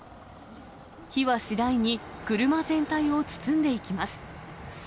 火は次第に車全体を包んでいきます。